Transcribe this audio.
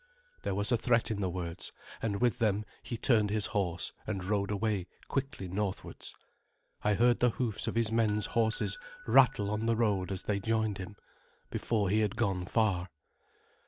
There was a threat in the words, and with them he turned his horse and rode away quickly northwards. I heard the hoofs of his men's horses rattle on the road as they joined him, before he had gone far.